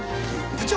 部長！